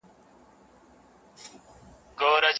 هغه د خپلې کورنۍ سره په ډېره خوشالۍ کې ژوند کاوه.